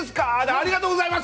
ありがとうございます！